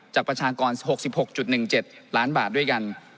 ประชากร๖๖๑๗ล้านบาทด้วยกัน